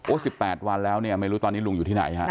โอ้ยสิบแปดวันแล้วเนี่ยไม่รู้ตอนนี้ลุงอยู่ที่ไหนฮะ